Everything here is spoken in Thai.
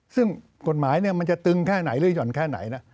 ซึ่งกฎหมายมันจะตึงแค่ไหนหรือหย่อนแค่ไหนนะ